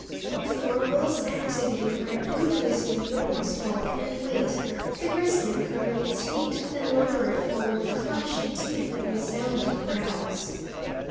With marvellous activity for a brute of his enormous bulk and weight, the grizzly recovered its feet, then lumbered forward with clashing teeth and resounding growls.